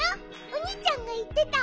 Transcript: おにいちゃんがいってた。